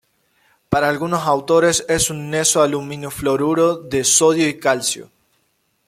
Para algunos autores es un neso-aluminofluoruro de sodio y calcio.